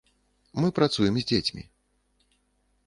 Мы працуем з дзецьмі.